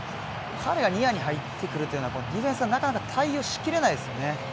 彼がニアに入ってくるというのはディフェンスはなかなか対応しきれないですよね。